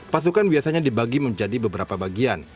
pasukan biasanya dibagi menjadi beberapa bagian